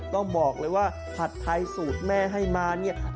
ต้องบอกเลยว่าผัดไทยสูตรแม่ให้มาเนี่ย